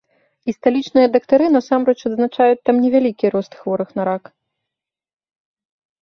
І сталічныя дактары насамрэч адзначаюць там невялікі рост хворых на рак.